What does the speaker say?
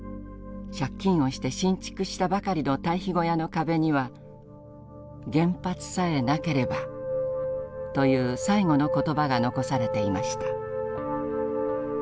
借金をして新築したばかりの堆肥小屋の壁には「原発さえなければ」という最期の言葉が残されていました。